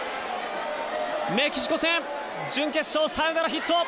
メキシコ戦、準決勝サヨナラヒット！